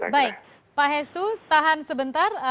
baik pak hestu tahan sebentar